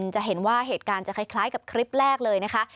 จะเห็นว่าเหตุการณ์จะคล้ายกับคลิปแรกเลยนะคะ